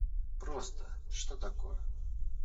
Просто… Что такое?